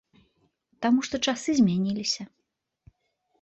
Таму што часы змяніліся.